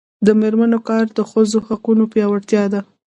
د میرمنو کار د ښځو حقونو پیاوړتیا ده.